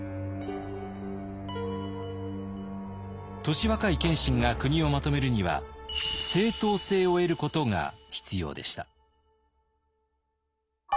年若い謙信が国をまとめるには正統性を得ることが必要でした。